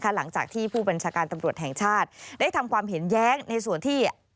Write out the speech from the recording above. หลังจากที่ผู้บัญชาการตำรวจแห่งชาติได้ทำความเห็นแย้งในส่วนที่